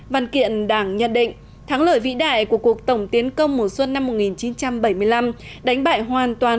văn kiện đảng nhận định thắng lợi vĩ đại của cuộc tổng tiến công mùa xuân năm một nghìn chín trăm bảy mươi năm đánh bại hoàn toàn